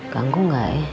ganggu enggak ya